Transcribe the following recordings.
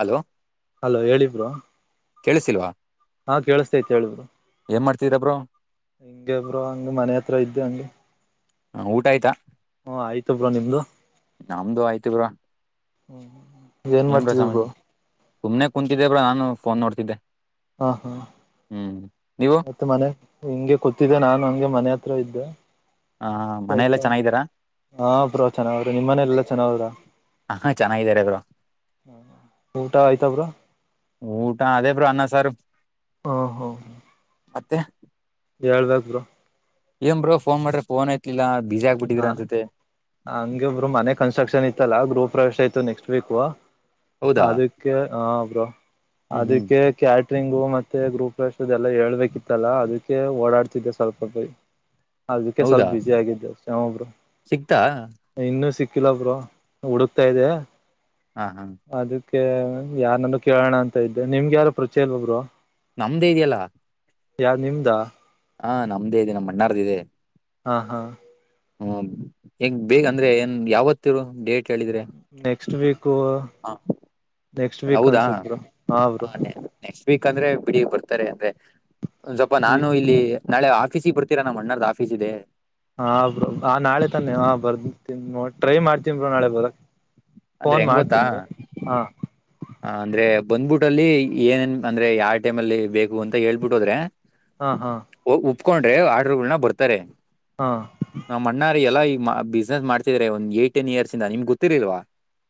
Hello hello ಹೇಳಿ bro ಕೇಳಿಸಿಲ್ವಾ ಹಾ ಕೇಳಿಸತತೆ ಹೇಳಬರು ಏನ್ ಮಾಡ್ತಿದೀರ ಬ್ರೋ ಹಿಂಗಗೆಬ್ರು ಹಂಗ ಮನೆ ಹತ್ರ ಇದ್ದು ಹಂಗೆ ಹ ಊಟ ಆಯ್ತಾ ಹಾ ಆಯ್ತಬ್ರ ನಿಮ್ದು ನಮ್ದು ಆಯ್ತು ಬ್ರೋ ಹ್ಮ್ ಏನ್ ಸಮಾಜ ಸುಮ್ನೆ ಕುೂಂತಿದ್ದೇ ಬ್ರಾ ನಾನು ಫೋನ್ ನೋಡ್ತಿದ್ದೆ ಹಾ ಹಾ ಹ್ಮ್ ನೀವು ಮತ್ತೆ ಮನೆ ಹಿಂಗೆ ಕೂತ್ತಿದ್ದೆ ನಾನು ಹಂಗೆ ಮನೆ ಹತ್ರ ಇದ್ದೆ ಹ ಸ್ವಲ್ಪ ಮನೆೆಯಲ್ಲ ಚೆನ್ನಾಗಿದ್ದೀರಾ ಹಾ ಬ್ರ್ ಚೆನ್ನ್ರಿ ನಿಮ್ಮ ಮನ ಎಲ್ಲ ಚನದ್ರ ಹಾ ಚೆನ್ನಾಗಿದ್ದಾರೆ ಬ್ರೋ ಊಟ ಆಯ್ತ ಬ್ರ ಊಟ ಅದೇ ಬ್ರೋ ಅನ್ನ ಸಾರ ಹಾ ಹೋ ಹ ಮತ್ತೆ ಹೇಳ್ಬೇಕಾಗರು ಏನ್ ಬ್ರೋ ಫೋನ್ ಮಾಡ್ರೆ ಫೋನ್ ಯೆತಲಿಲ ಬ್ಯುಸಿ ಆಗ್ಬ ಬಿಟ್ಟಿದ್ರ ಅಸತೆ ಹಂಗೇ ಬ್ರೋ ಮನೆ ಕನ್ಸ್ಟ್ರಕ್ಷನ್ ಇತ್ತಲ್ಲ ಗ್ರೂಪ್ ರ್ ಆಯತ್ತು ನೆಕ್ಸ್ಟ್ ವೀಕ್ ಹೌದಾ ಅದಕ್ಕೆ ಹ ಬ್ರೋ ಹ್ಮ್ ಹ್ಮ್ ಅದಕ್ಕೆ ಕ್ಯಾಟ್ರಿಂಗು ಮತ್ತೆ ಗ್ರೂಪ್ಷ್ಟ ಇದೆಲ್ಲ ಹೇಳ್ಬೇಕಿತ್ತಲ್ಲಾ ಅದಕ್ಕೆ ಓಡಾಡ್ತಿದ್ದೆ ಸ್ವಲ್ಪ [inaudible] ಅದಕ್ಕೆ ಸ್ವಲ್ಪ ಹೌದಾ ಬಿಸಿ ಆಗಿದ್ದೇ ಶವೊಬ್ರು ಸಿಗ್ತಾ ಇನ್ನುೂ ಸಿಕ್ಕಿಲ್ಲ ಬ್ರೋ ಹುಡುಕ್ತಾ ಇದೆ. ಹಾ ಹಾ. ಅದಕ್ಕೆ ಯಾರನ್ನಾರು ಕೇಳೋಣ ಅಂತ ಇದ್ದೆ ನಿಮ್ಗೆ ಯಾರು ಪರಿಚಯ ಇಲ್ವಾ ಬ್ರೋ. ನಮ್ದೇ ಇದೆಯಲ್ಲಾ. ಯಾವ್ದ್ ನಿಮ್ದಾ. ಹಾ ನಮ್ದೇ ಇದೆ ನಮ್ಮಣ್ಣಾರ್ದ್ ಇದೆ. ಹಾ ಹಾ. ಹ್ಮ್ ಹೆಂಗ್ ಬೇಗ ಅಂದ್ರೆ ಏನ್ ಯಾವತ್ತಿರು ಡೇಟ್ ಕೇಳಿದ್ರೆ. Next week. ಹಾ. ನೆಕ್ಸ್ಟ್ ವೀಕ್ ಅನ್ಸತ್ ಬ್ರೋ ಹಾ ಬ್ರೋ. ನೆಕ್ಸ್ಟ್ ವೀಕ್ ಅಂದ್ರೆ ಬಿಡಿ ಬರ್ತಾರೆ ಅಂದ್ರೆ ಒಂದ್ ಸ್ವಲ್ಪ ನಾನು ಇಲ್ಲಿ. ನಾಳೆ ಆಫೀಸಿಗ್ ಬರ್ತೀರ ನಮ್ಮಣ್ಣರದ್ ಆಫೀಸ್ ಇದೆ. ಹಾ ಬ್ರೋ ಆ ನಾಳೆ ತಾನೆ ಹಾ ಬರ್ತಿನಿ ನೋ ಟ್ರೈ ಮಾಡ್ತೀನ್ ಬ್ರೋ ನಾಳೆ ಬರಕ್ ಅಂದ್ರೆ ಫೋನ್ ಮಾಡ್ತೀನ್ ಬ್ರೋ ಹಾ. ಅ ಅಂದ್ರೆ ಬಂದ್ಬಿಟ್ಟಲ್ಲಿ ಏನೇನ್ ಅಂದ್ರೆ ಯಾವ ಟೈಮ್ ಅಲ್ಲಿ ಬೇಕು ಅಂತ ಹೇಳ್ಬಿಟ್ಟು ಹೋದ್ರೆ. ಹಾ ಹಾ. ಹೋಗ್ ಒಪ್ಕೊಂಡ್ರೆ ಆರ್ಡರುಗಳನ್ನ ಬರ್ತಾರೆ. ಹಾ. ನಮ್ಮಣ್ಣಾರ ಎಲ್ಲ ಈಗ ಬಿಸ್ನೆಸ್ ಮಾಡ್ತಿದ್ದಾರೆ ಒಂದ್ ಏಯ್ಟ್ ಟೆನ್ ಇಯರ್ಸ್ ಇಂದ ನಿಮ್ಗ್ ಗೊತ್ತಿರ್ಲಿಲ್ವಾ.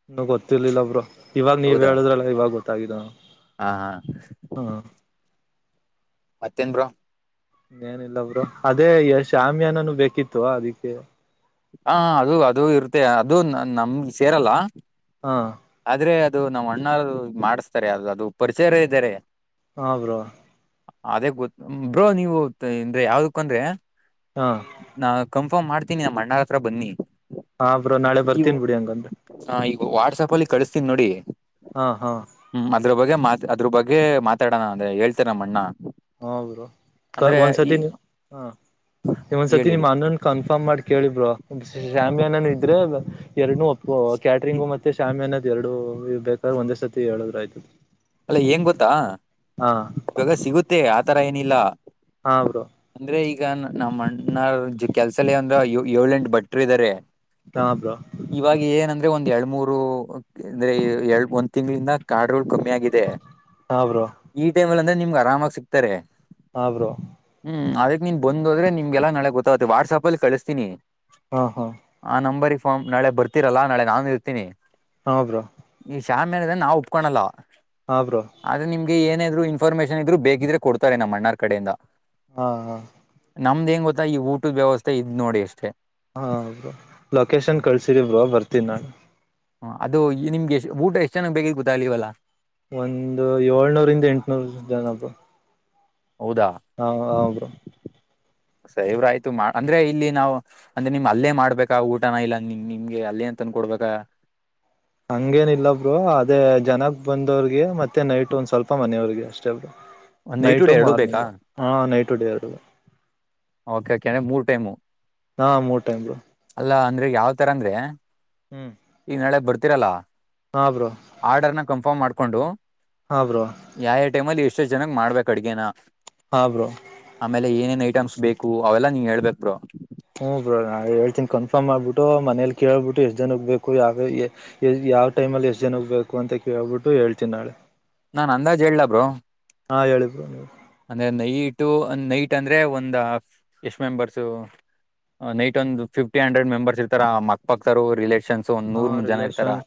ಇನ್ನು ಗೊತ್ತಿರ್ಲಿಲ್ಲ ಬ್ರೋ ಇವಾಗ ನೀವ್ ಹೌದಾ ಹೇಳುದ್ರಲ್ಲ ಇವಾಗ ಗೊತ್ತಾಗಾಗಿದೆ ಹಾ ಹಾ ಹ್ಮ್. ಮತ್ತೇನ್ ಬ್ರೋ. ಎನಿಲ್ಲ ಬ್ರೋ ಅದೇ ಎ ಶ್ಯಾಮಿಯಾನನು ಬೇಕಿತ್ತು ಅದಿಕ್ಕೆ. ಹಾ ಅದು ಅದು ಇರುತ್ತೆ ಅದು ನಮ್ಗ್ ಸೇರಲ್ಲ. ಹಾ. ಆದ್ರೆ ಅದು ನಮ್ಮ್ ಅಣ್ಣರು ಮಾಡ್ಸ್ತಾರೆ ಅದು ಅದು ಪರಿಚಯ ಇರೋರು ಇದಾರೆ. ಹಾ ಬ್ರೋ. ಅದೇ ಗೊತ್ ಬ್ರೋ ನೀವು ಅಂದ್ರೆ ಯಾವ್ದಕ್ ಅಂದ್ರೆ. ಹಾ. ನಾ ಕನ್ಫರ್ಮ್ ಮಾಡ್ತೀನಿ ನಮ್ ಅಣ್ಣಾರ್ ಹತ್ರ ಬನ್ನಿ. ಹಾ ಬ್ರೋ ನಾಳೆ ಬರ್ತೀನ್ ಬಿಡಿ ಹಂಗಂದ್ರೆ. ಹಾ ಈಗ ವಾಟ್ಸಾಪ್ ಅಲ್ಲಿ ಕಳಿಸ್ತೀನ್ ನೋಡಿ. ಹಾ ಹಾ. ಹ್ಮ್ ಅದ್ರ ಬಗ್ಗೆ ಮಾತ್ ಅದ್ರ ಬಗ್ಗೆ ಮಾತಾಡೋಣ ಅಂದ್ರೆ ಹೇಳ್ತೀನ್ ನಮ್ ಅಣ್ಣ. ಹಾ ಬ್ರೊ ಅಂದ್ರೆ ಈ ಒಂದ್ಸರ್ತಿ ನೀ ಹಾ ನೀವ ಒಂದ್ಸರ್ತಿ ಹೇಳಿ ಹೇಳಿ ನಿಮ್ ಅಣ್ಣನ ಕನ್ಫರ್ಮ್ ಮಾಡಿ. ಕೇಳಿ ಬ್ರೋ ಶ್ಯಾಮಿಯಾನನು ಇದ್ರೆ ಎರಡ್ನು ಒಪ್ಪೋ ಕ್ಯಾಟ್ರಿಂಗ್ ಮತ್ತೆ ಶಾಮಿಯಾನ. ಎರಡು ಇರ್ಬೇಕಾದರೆ ಒಂದೇ ಸತಿ ಹೇಳಿದ್ರ ಆಯ್ತು. ಅಲ್ಲ ಏನ್ ಗೊತ್ತಾ ಹಾ ಇವಾಗ ಸಿಗುತ್ತೆ ಆತರ ಏನಿಲ್ಲ. ಹಾ ಬ್ರೊ. ಅಂದ್ರೆ ಈಗ ನಮ್ಮಣ್ಣರ್ ಕೆಲ್ಸಲ್ಲೆ ಹಂಗ ಏಳ್ ಎಂಟು ಭಟ್ರ್ ಇದಾರೆ. ಹಾ ಬ್ರೋ. ಇವಾಗ ಏನಂದ್ರೆ ಒಂದ್ ಎರಡ್ ಮೂರು ಅಂದ್ರೆ ಎ ಒಂದ್ ತಿಂಗಳಿಂದ [unintelligible] ಕಮ್ಮಿಯಾಗ್ ದೇ ಹಾ ಬ್ರೋ ಈ ಟೈಮ್ಲ್ ಅಂದ್ರೆ ನಿಮ್ಗೆ ಆರಾಮಾಗ್ ಸಿಗ್ತಾರೆ. ಹಾ ಬ್ರೊ. ಹ್ಮ ಅದಕ್ ನೀನ್ ಬಂದೋದ್ರೆ ನಿಮಗೆಲ್ಲ ನಾಳೆ ಗೊತ್ತಾಗುತ್ತೆ ವಾಟ್ಸಾಪಲ್ಲಿ ಕಳಿಸ್ತಿನಿ. ಹಾ ಹಾ ಆ ನಂಬರಿ ಫಾರ್ಮ್ ನಾಳೆ ಬರ್ತಿರಲ್ಲಾ ನಾಳೆ ನಾನು ಇರ್ತೀನಿ ಹಾ ಬ್ರೋ ಈ ಶಾಮಿಯಾನದೆನ ನಾವು ಒಪ್ಕೊನಲ್ಲ ಹಾ ಬ್ರೋ ಆದ್ರೆ ನಿಮ್ಗೆ ಏನ ಇದ್ರು ಇನ್ಫಾರ್ಮೇಶನ್ ಇದ್ ಬೇಕಿದ್ರೆ ಕೊಡ್ತಾರೆ ನಮ್ಮ್ ಅಣ್ಣಾರ್ ಕಡೆಯಿಂದ ಹಾ ಹಾ ನಮ್ದ್ ಹೆಂಗ ಗೊತ್ತಾ ಈ ಊಟದ ವ್ಯವಸ್ಥೆ ಇದ್ ನೋಡಿ ಅಷ್ಟೇ ಹಾ ಬೋ ಲೊಕೇಶನ್ ಕಳ್ಸರಿ ಬ್ರೋ ಬರ್ತೀನಿ ನಾನು ಹ ಅದು ನಿಮ್ಗೆ ಎ ಊಟ ಎಷ್ಟು ಜನ ಬೇಕ್ ಗೂತ್ತಾ ಅ ಈವಲ್ಲ ಒಂದು ಏಳ್ನೂರಿಂದ ಎಂಟುನೂರು ಜನಬ ಹೌದಾ ಹಾ ಹ್ರೋ ಸ ಇವ್ರಾಯ್ತು ಅಂದ್ರೆ ಇಲ್ಲಿ ನಾವು ಅಂದ್ರೆ ನಿಮ್ ಅಲ್ಲೇ ಮಾಡ್ಬೇಕಾ ಊಟನ ಇಲ್ಲ ನಿಮ್ಗೆ ಅಲ್ಲೇ ಅಂತಂದ ಕೊಡ್ಬೇಕಾ ಹಂಗೇನಿಲ್ಲ ಬ್ರರು ಅದೇ ಜನಕ್ ಬಂದವ್ರಿಗೆ ಮತ್ತೆ ನೈಟ್ ಒಂದ್ ಸ್ವಲ್ಪ ಮನೆಯವ್ರಿಗೆ ಅಷ್ಟೆಲ್ ಒಂದ್ ಐಟ ಡ ಎರಡು ಬೇಕಾ ಹಾ ನೈಟ್ ಡೇ ಅವ ಓಕೆ ಓಕೆರೆ ಮೂರು ಮ್ ಹಾ ಮೋಟೈಮರು ಅಲ್ಲಾ ಅಂದ್ರೆ ಯಾವ್ ತರ ಅಂದ್ರೆ ಹ್ಮ್ ಈಗ ನಾಳೆ ಬರ್ತಿರಲ್ಲ ಹಾ ಬ್ರೋ ಆರ್ಡರ್ನ ಕನ್ಫರ್ಮ್ ಮಾಡ್ಕೊಂಡು ಹಾ ಬ್ರೋ ಯಾವ ಟೈಮ ಅಲ್ಲಿ ಎಷ್ಟ ಜನಗ್ ಮಾಡ್ಬೇಕಕ್ ಅಡ್ಗೇನ ಹಾ ಬ್ರೋ ಆಮೇಲೆ ಏನೇನ್ ಐಟಮ್ಸ್ ಬೇಕು ಅವೆಲ್ಲಾ ನೀವ ಹೇಳ್ಬೇಕಕ್ ಬ್ರೋ ಹ್ಮ್ ಬ್ರ ನಾ ಹೇಳ್ತಿನಿ ಕನ್ಫರ್ಮ್ ಮಾಡ್ಬಿಟ್ಟು ಮನೇಲಿ ಕೇಳ್ಬಿಟ್ಟು ಎಷ್ಟ್ ಜನಗ್ ಬೇಕು ಯಕೆ ಎ ಯಾವ ಟೈಮ್ಲ ಎಷ್ಟ್ ಜನಕ್ಕೆ ಬು ಅಂತ ಕೇಳ್ಬಿಟ್ಟು ಹೇಳ್ತಿನಿ ನಾಳೆ ನಾನ್ ಅಂದಾಜ್ ಹೇಳಲಬ್ರು ಹಾಂ ಎ ಅಂದ್ರೆ ನೈಟ ನೈಟ್ ಅಂದ್ರೆ ಒಂದ್ ಹಫ್ ಎಷ್ಟ್ ಮೆಂಬರ್ಸು ನೈಟ್ ಒಂದು ಫಿಫ್ಟಿ ಹಂಡ್ರೆಡ್ ಮೆಂಬರ್ ಇರ್ತಾರ ಮಕ್ ಪಕ್ತಾರ ರಿಲೇ ಒಂದ್ ಹಾ ನೂರ್ ಜನ ಇರ್ತಾರ ರಿಲೇಷನ್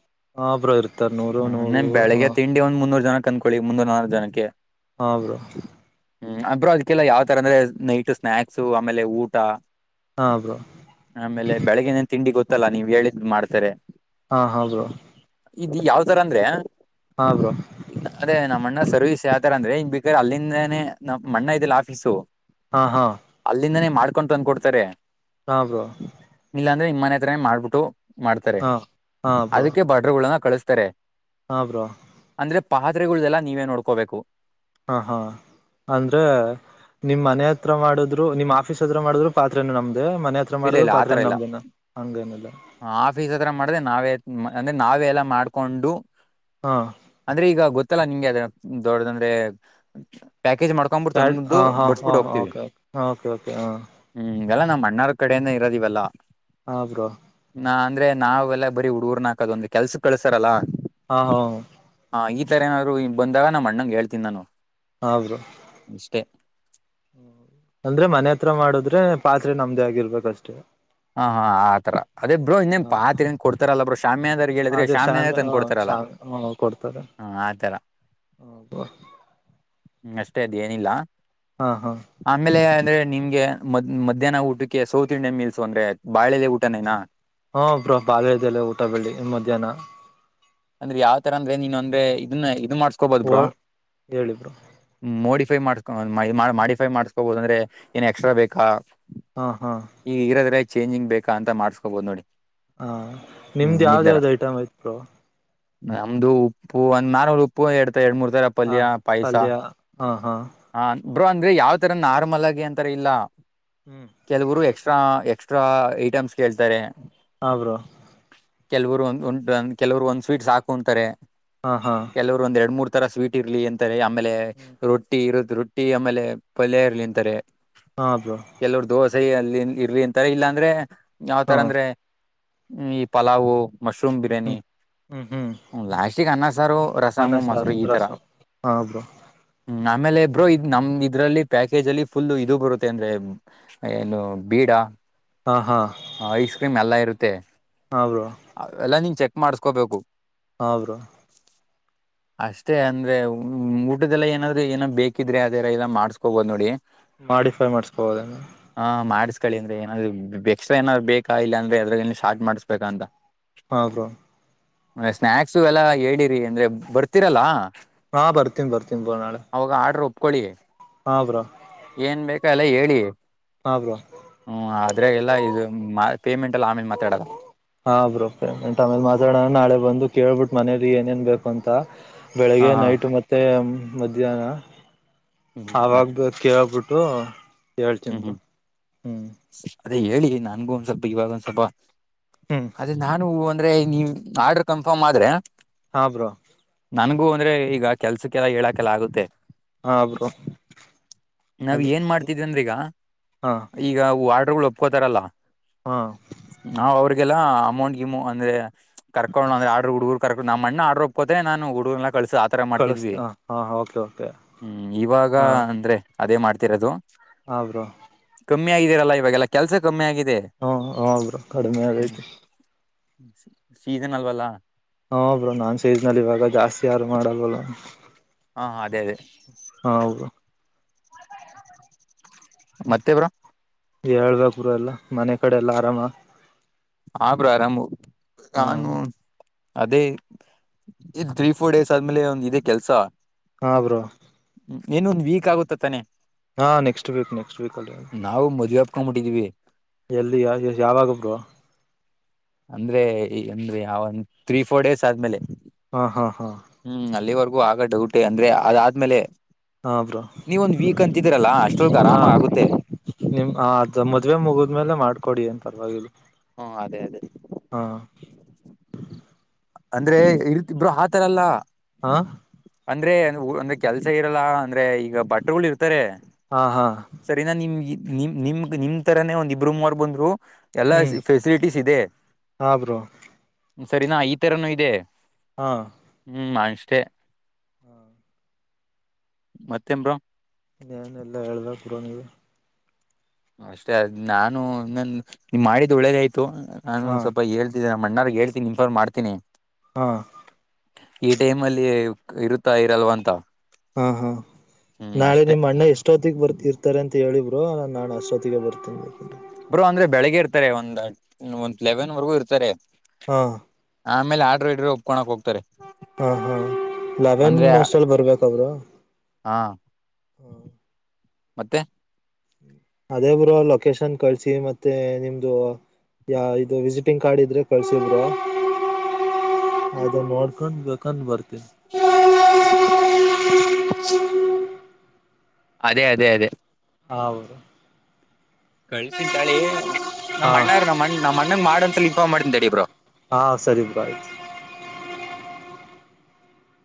ಹಾ ಬ್ರೋ ಇರ್ತಾರೆ ನೂರು ನೂರು ಹಾ ಬೆಳಗ್ಗೆ ತಿಂಡಿ ಒಂದ ಮುನ್ನೂರು ಜನ ಕ ಅಂದಕೊಳ್ಳಿ ಮುನ್ನೂರ್ ನೂ ಜನಕ್ಕೆ ಹಾ ಬ್ರೋ ಹ್ಮ್ ಅಬ್ ಅದಕ್ಕೆಲ್ಲ ಯಾವ ತರ ಅಂದ್ರೆ ನೈಟ್ ಸ್ನಾಯಕ್ಸ್ ಆಮೇಲೆ ಊಟ ಹಾಂ ಬ್ರೋ ಆಮೇಲೆ ಬೆಳಗ್ಗೆನೇನ್ ತಿಂಡಿ ಗೊತ್ತಲ್ಲಾ ನೀವ್ ಹೇಳಿದ್ ಮಾಡ್ತಾರೆ ಹಾ ಹೌದು ಇದ್ ಯಾವ್ ತರ ಅಂದ್ರೆ ಹ್ರೋ ಇ ಅದೇ ನಮ್ಮ್ ಅಣ್ಣ ಸರ್ವಿಸ್ ಯಾವತರ ಅಂದ್ರೆನ್ ಬೇಕ್ರ ಅಲ್ಲಿಂದನನೆ ನಮ್ಮ ಅಣ್ಣ ಇದಿಲ್ಲ ಆಫೀಸು ಹಾ ಹಾ ಅಲ್ಲಿಂದನೇ ಮಾಡ್ಕೊಂಡು ತಂದ ಕೊಡ್ತಾರೆ ಹಾ ಬ್ರೋ ಇಲ್ಲಾ ಅಂದ್ರೆ ನಿಮ್ಮನೆ ಹತ್ರ ಮಾಡ್ಬಿಟ್ಟು ಮಾಡ್ತಾರೆ ಹಾ ಹಾ ಅದಕ್ಕೆ ಬ [unintelligible] ಕಳಿಸ್ತಾರೆ ಹಾಂ ಬ್ರೋ ಅಂದ್ರೆ ಪಾತ್ರೆಗಳ್ದಲ್ಲ ನೀವೇ ನೋಡ್ಕೋಬೇಕು. ಹಾ ಹಾ ಅಂದ್ರೆ ನಿಮ್ ಮನೆ ಹತ್ರ ಮಾಡಿದ್ರು ನಿಮ್ ಆಫೀಸ್ ಹತ್ರ ಮಾಡಿದ್ರು ಪಾತ್ರರೆನ ನಮ್ದೇ ಮನೆ ಹತ್ರ ತ್ರ ಇಲ್ಲ ಮಾಡಿದ್ರು ಇಲ್ಲ ಪಾತ್ರೆ ಆತರ ಇಲ್ಲ ನಮ್ದನ ಹಂಗ ಏನಲ್ಲ ಆಫೀಸ್ ಹತ್ರ ಮಾಡ್ದೆ ನಾವೇ ಅಂದ್ರೆ ನಾವೆ ಎಲ್ಲಾ ಮಾಡ್ಕೊಂಡು ಹಾ ಅಂದ್ರೆ ಈಗ ಗೊತ್ತಲ್ಲಾ ನಿಂಗೆ ಅದ ದೊಡ್ಡ ಅಂದ್ರೆ ಪ್ಯಾಕೇಜ್ ಮಾಡ್ ಸಡ್ ಹಾ ಹಾ ಹಾ ಹ ಓಕೆ ಓಕೆ ಹಾ ಹ್ಮ್ ಇದೆಲ್ಲಾ ನಮ್ಮ್ ಅಣ್ಣಾರ್ ಕಡೆಯಿಂದ ಇರೋದ ಇವೆಲ್ಲಾ. ಹಾ ಬ್ರೋ ನಾ ಅಂದ್ರೆ ನಾವೆಲ್ಲ ಬರೀ ಹುಡುಗರ್ನ ಹಾಕದ ಒಂದು ಕೆಲ್ಸ ಕಳ್ಸಾರಲ್ಲ. ಹಾ ಹ ಹಾ ಈ ತರ ಏನಾದರು ಬಂದಾಗ ನಮ್ಮ ಅಣ್ಣಂಗ ಹೇಳ್ತೀನಿ ನಾನು ಹಾ ಬ್ರೋ ಇಷ್ಟೇ ಅಂದ್ರೆ ಮನೆ ಹತ್ರ ಮಾಡದ್ರೆ ಪಾತ್ರೆ ನಮ್ದೇ ಆಗಿರ್ಬೇಕಷ್ಟೆ. ಹ ಹಾ ಆತರ ಅದೇ ಬ್ರೋ ಇನ್ನೇನ್ ಹ ಪಾತ್ರೆಏನ್ ಕೊಡ್ತಾರಲ್ಲ ಬ್ರೋ ಶಾಮಿಯಾದರಿಗೆ ಹೇಳಿದ್ರೆ ಶಾಮಿಯಾದರ ತಂದು ಕೊಡ್ತಾರಲ್ಲ. ಹಾ ಕೊಡ್ತಾರೆ ಹ ಆತರ ಹ ಹ್ಮ್ ಅಷ್ಟೇ ಅದ ಏನಿಲ್ಲಾ ಹಾ ಹಾ ಆಮೇಲೆ ಅಂದ್ರೆ ನಿಮ್ಗೆ ಮ್ ಮಧ್ಯಾಹ್ನ ಊಟಕ್ಕೆ ಸೌತ್ ಇಂಡಿಯನ್ ಮೀಲ್ಸ್ ಸೊ ಅಂದ್ರೆ ಬಾಳೆಲೆ ಊಟನೇನಾ ಹಾ ಬ್ರೋ ಬಾಳೆದೆಲೆ ಊಟ ಬಳ್ಳಿ ಮಧ್ಯಾಹ್ನ ಅಂದ್ರೆ ಯಾವ ತರ ಅಂದ್ರೆ ನೀನು ಅಂದ್ರೆ ಇದನ್ನ ಇದ ಮಾಡಸ್ಕೊಬೋದ ಓ ಬ್ರೊ ಹೇಳಿ ಬ್ರೋ ಮೋಡಿಫೈ ಮಾಡ್ಸ್ಕೊ ಮಾಡಿಫೈ ಮಾಡ್ಸ್ಕೋಬಹುದ ಅಂದ್ರೆ ಏನ್ ಎಕ್ಸ್ಟ್ರಾ ಬೇಕಾ ಹಾ ಹಾ ಈಗ ಇರದ್ರೆ ಚೇಂಜಿಂಗ್ ಬೇಕಾ ಅಂತ ಮಾಡ್ಸ್ಕೋಬೋದು ನೋಡಿ ಹಾ ಹ್ಮ್ ನಿಮ್ದ್ ಈ ಯಾವ್ದ ತರ ಯಾವ್ದ್ ಐಟಮ್ ಇತ್ತು ನಮ್ದು ಉಪ್ಪು ಒಂದ ನಾರ್ವಲ್ ಉಪ್ಪು ಎರಡ್ತರ ಎರಡು ಮೂರ್ ತರ ಹಾ ಪಲ್ಯ ಹಾ ಹಾ ಹಾ ಬ್ರೋ ಅಂದ್ರೆ ಯಾವ್ ತರ ನಾರ್ಮಲ್ ಆಗಿ ಅಂತರ ಇಲ್ಲ. ಹ್ಮ್ ಕೆಲವರು ಎಕ್ಸ್ಟ್ರಾ ಎಕ್ಸ್ಟ್ರಾ ಐಟಮ್ಸ್ ಕೇಳ್ತಾರೆ. ಹಾ ಬ್ರೋ ಕೆಲವರು ಒಂದ ಉಂಟು ಕೆಲವರು ಒಂದ್ ಸ್ವೀಟ್ಸ್ ಸಾಕು ಅಂತಾರೆ ಹಾ ಹಾ ಕೆಲವರು ಒಂದ್ ಎರಡು ಮೂರ್ ತರ ಸ್ವೀಟ್ ಇರ್ಲಿ ಅಂತಾರೆ ಆಮೇಲೆ ರೊಟ್ಟಿ ಇರದ ರೊಟ್ಟಿ ರೊಟ್ಟಿ ಆಮೇಲೆ ಪಲ್ಯ ಇರ್ಲಿ ಅಂತಾರೆ ಹಾದು ಕೆಲವ್ರ ದೋಸೆ ಅಲ್ಲಿ ಇರ್ರಿ ಅಂತಾರೆ ಇಲ್ಲಾ ಅಂದ್ರೆ ಹಾ ಯಾವ್ತರ ಅಂದ್ರೆ. ಹ್ಮ ಈ ಪಲಾವು. ಹ್ಮ್ ಹ್ಮ್ ಹ್ಮ್ ಹ್ಮ್ ಹ್ಮ ಲಾಸ್ಟಿಗೆ ಅನ್ನಸಾರು, ಅನ್ನ ರಸಮ್ಮು, ಸಾರ್ ಮೊಸರು ಈ ತರ. ರಸಂ ಹಾ ಬ್ರೋ ಹ್ಮ ಆಮೇಲೆ ಬ್ರೋ ಇದ್ ನಮ್ ಇದ್ರಲ್ಲಿ ಪ್ಯಾಕೇಜ್ ಅಲ್ಲಿ ಫುಲ್ ಇದು ಬರುತ್ತೆ ಅಂದ್ರೆ. ಏನು ಬೀಡ. ಹಾ ಹಾ ಹ ಐಸ್ ಕ್ರೀಮ್ ಎಲ್ಲಾ ಇರುತ್ತೆ. ಹಾ ಬ್ರೋ ಅವೆಲ್ಲಾ ನೀನ್ ಚೆಕ್ ಮಾಡಸ್ಕೋಬೇಕು. ಅವ್ರು. [inaudible] ಅಷ್ಟೇ ಅಂದ್ರೆ ಊಟದೆಲ್ಲ ಏನಾದ್ರು ಏನೋ ಬೇಕಿದ್ರೆ ಅದರ ಎಲ್ಲ ಮಾಡಸ್ಕೋಬೋದ್ ನೋಡಿ. ಮಾಡಿಫೈ ಮಾಡ್ಸ್ಕಬೋದೇನ. ಹಾ ಮಾಡ್ಸ್ಕಳಿ ಅಂದ್ರೆ ಏನಾದ್ ಎಕ್ಟ್ರಾ ಏನಾದ್ ಬೇಕ ಇಲ್ಲಾಂದ್ರೆ ಅದ್ರ ಶಾರ್ಟ್ ಮಾಡ್ಬೇಕಾ ಅಂತ. How bro. [unintelligible] ಸ್ನಾಯಕ್ಸು ಎಲ್ಲ ಹೇಳಿರಿ ಅಂದ್ರೆ ಬರ್ತಿರಲ್ಲ. ಹಾ ಬರ್ತನಿ ಬರ್ತನಿ ಬ್ರೋ ನಾಳೆ. ಅವಾಗ ಆರ್ಡ್ರ್ ಒಪ್ಕೊಳ್ಳಿ. ಹಾ ಬ್ರೋ. ಏನ್ ಬೇಕೋ ಎಲ್ಲಾ ಹೇಳಿ. ಹಾ ಬ್ರೋ ಹ್ಮ್ ಆದ್ರೆ ಎಲ್ಲಾ ಇದು ಪೇಮೆಂಟ್ ಎಲ್ಲ ಆಮೇಲ್ ಮಾತಾಡಣ. ಹಾ ಬ್ರೋ ಪೇಮೆಂಟ್ ಆಮೇಲೆ ಮಾತಾಡೋಣ ನಾಳೆ ಬಂದು ಕೇಳ್ಬಿಟ್ಟು ಮನೇಲಿ ಏನೇನ್ ಬೇಕು ಅಂತ. ಹಾ ಬೆಳಗ್ಗೆ ಹಾ ನೈಟ್ ಮತ್ತೇ ಮಧ್ಯಾಹ್ನ. ಹ್ಮ್ ಅವಾಗ ಮತ್ ಬ ಕೇಳಬಿಟ್ಟು ಹೇಳ್ತನ್ ಬ್ರೋ ಹ್ಮ್. ಸಿಕ್ಕರೆ ಹೇಳಿ ನಂಗೂ ಒಂದ್ ಸ್ವಲ್ಪ ಇವಾಗ್ ಒಂದ್ ಸ್ವಲ್ಪ. ಹ್ಮ್ ಅದೇ ನಾನು ಹು ಅಂದ್ರೆ ನೀ ಆರ್ಡ್ರ ಕನ್ಫರ್ಮ್ ಆದ್ರೆ. ಹಾ ಬ್ರೋ. ನನ್ಗೂ ಅಂದ್ರೆ ಈಗ ಕೆಲ್ಸುಕ್ಕೆಲ್ಲ ಹೇಳಕೆಲ್ಲ ಆಗುತ್ತೆ. ಹಾ ಬ್ರೋ ನಾವ್ ಅದು ಏನ್ ಮಾಡ್ತಿದ್ವಿ ಈಗ ಹಾ ಈಗ ಆಡ್ರುಗಳು ಒಪ್ಕೋತಾರಲ್ಲ. ಹ್ಮ ನಾವ್ ಅವ್ರಿಗೆಲ್ಲಾ ಅಮೌಂಟ್ ಗಿಮು ಅಂದ್ರೆ ಕರ್ಕೊಂಡ ಅಂದ್ರೆ ಆರ್ಡು ಹುಡ್ಗರು [unintelligible] ಕ ನಮ್ಮಣ್ಣ ಆಡ್ರು ಒಪ್ಪೋತನೇ ನಾನು ಹುಡುಗುರೆಲ್ಲ ಕಳಸ [unintelligible] ತರ ಕಳಿಸ ಮಾಡ್ತಿದ್ವಿ ಹಾ ಓಕೆ ಓಕೆ ಹ್ಮ್ ಇವಾಗ ಅಂದ್ರೆ ಅದೇ ಮಾಡ್ತಿರದು. ಆ ಬ್ರೋ ಕಮ್ಮಿ ಆಗಿದ್ದೀರಲ್ಲ ಇವಾಗೆಲ್ಲ ಕೆಲ್ಸ ಕಮ್ಮಿ ಆಗಿದೆ. ಹ್ಮ ಹ ಬ್ರೋ ಕಡಿಮೆ ಹ್ಮ್ ಆಗೈತಿ. ಸೀಸನ್ ಅಲ್ವಲ್ಲಾ. ಹ ಬ್ರೋ ನಾನ್ ಸೈಜ್ ನಲ್ಲಿ ಇವಾಗ ಜಾಸ್ತಿ ಯಾರು ಮಾಡವಲ್ಲ. ಹಾ ಅದೇ ಅದೇ. ಹಾ ಹೌದು. ಮತ್ತೆ ಬ್ರೋ. ಹೇಳ್ಬೇಕ್ ಬ್ರೋ ಎಲ್ಲಾ ಮನೆ ಕಡೆ ಎಲ್ಲ ಆರಾಮ. ಹಾ ಬ್ರೋ ಆರಾಮು ಹ್ಮ ನಾನು. ಅದೇ ಇ ತ್ರೀ ಫೋರ್ ಡೇಸ್ ಆದ್ಮೇಲೆ ಒಂದ್ ಇದೇ ಕೆಲ್ಸ. ಹಾ ಬ್ರೋ ಏನೊಂದಂದು ವೀಕ್ ಆಗುತ್ತ ತಾನೆ ಹಾ ನೆಕ್ಸ್ಟ್ ವೀಕ್ ನೆಕ್ಸ್ಟ್ ವಕ್ ಅಲ್ಲಿ ನಾವು ಮದ್ ಬಾಪ್ಕೊಂಡ್ ಮುಿಟ್ಟಿದೀವಿ ಎಲ್ಲಿ ಯಾವಾಗಬ್ರು ಅಂದ್ರೆ ಅಂದ್ರೆ ಯ ಒಂದ ತ್ರೀ ಫೋರ್ ಡೇಸ್ ಆದ್ಮೇಲೆ ಹಾ ಹಾ ಹಾ ಹ್ಮ್ ಅಲ್ಲಿವರೆಗೂ ಆಗ ುಟೆ ಅಂದ್ರೆ ಅದಾದ್ಮೇಲೆ ಹಾ ಬ್ರೋ ನೀವ ಒಂದ್ ವೀಕ್ ಅಂತಿದೀರಲ್ಲಾ ಅಷ್ಟೊಳಗ ಹಾ ಆರಾಮ ಆಗುತ್ತೆ ನಿಮ್ ಅದ ಮದ್ವೆ ಮುಗಿದ್ಮೇಲೆ ಮಾಡ್ಕೊಡಿ ಏನ್ ಪರವಾಗಿಲ್ಲ ಹ್ಮ ಅದೇ ಅದೇ ಹಾ ಅಂದ್ರೆ ಇತಿ ಇಬ್ರು ಆತರಲ್ಲ ಹಾ ಅಂದ್ರೆ ಅಂದ್ರೆ ಕೆಲ್ಸ ಇರಲ್ಲ ಅಂದ್ರೆ ಈಗ ಬಟ್ಟೆಗಳು ಇರ್ತಾರೆ ಹಾ ಹಾ ಸರಿನಾ ನಿಮ್ ನಿಮ್ ನಿಮ್ ನಿಮ್ ತರಾನೇ ಒಂದ್ ಇಬರುಾರ್ ಬಂದ್ರು ಎಲ್ಲಾ ಹ್ಮ್ ಫೆಸಿಲಿಟೀಸ್ ಇದೆ ಹಾ ಬ್ರೋ ಸರಿನಾ ಈ ತರನುೂ ಇದೆ ಹಾಂ ಹ್ಞೂ ಮಾಡಂಷ್ಟೇ ಹ್ಮ ಮತ್ತೆಂಬ್ರ ನ್ ಎಲ್ಲಾ ಹೇಳ್ದ ಪರೋನಿಗೆ ಅಷ್ಟೇ ನಾನು ನನ್ ಮಾಡಿದ್ ಒಳ್ಳೇದ ಆಯ್ತು ನಾನು ಹಾ ಸ್ವಲ್ಪ ಹಳ್ ನಮ್ಮಣ್ಣಾರ್ ಹೇಳ್ತಿನಿ ಇನ್ಫಾರನ್ ಮಾಡ್ತನಿ ಹಾ ಈ ಟೈಮ್ ಅಲ್ಲಿ ಇರುತ್ತಾ ಇರಲ್ವಂತ ಹಾ ಹಾ ನಾಳೆ ನಿಮ್ಮ್ ಅಣ್ಣ ಎಷ್ಟ ಅಷ್ಟೊತ್ತಿಗೆ ಬರ್ ಇರ್ತಾರೆ ಅಂತ ಹೇಳಿಬ್ರು ನಾನು ಅಷ್ಟೊತ್ತಿಗೆ ಬರ್ತ ಬ್ರರು ಅಂದ್ರೆ ಬೆಳಗ್ಗೆ ಇರ್ತ ಒಂದ್ ಒಂದ ಲೆವೆನ್ ವರೆಗೂ ಇರ್ತಾರೆ ಹಾ ಆಮೇಲೆ ಆಡ್ರ ಇಡ್ರೆ ಒಪ್ಕೋಕ್ೋಗ್ತಾರೆ ಹಾ ಹಾ ಲವೆನ್ ಅಷ್ಟಲ್ಲಿ ಬರ್ಬೇಕ ಅವರು ಹಾ ಮತ್ತೆ ಅದೇ ಬುರು ಲೊಕೇಶನ್ ಕಳಳ್ಸಿ ಮತ್ತೆ ನಿಮ್ದು ಯ ಇದು ವಿಸಿಟಿಂಗ್ ಕಾರ್ಡ್ ಇದ್ರೆ ಕಳ್ಸಲ್್ರ ಅದ ನೋಡ್ಕೊಂಡ್ ಬಂದು್ ಬರ್ತೇನಿ ಅದೇ ಅದೇ ಅದೇ ಹೌದು ಕಳ್ಸ ತಾಳಿ ನಮ್ಮ ಹಾ ಅಣ್ಣಾರ ನಮ್ಮ ಅಣ್ಣ ನಮ್ಮ ಅಣ್ಣನ್ ಮಾಡ್ ಅಂತಸಲ ಇನ್ಫಾರ್ಮ್ ಮಾಡ್ಡಿ ಇಬ್ರು ಹಾ ಸರಿ ಭಾಯ್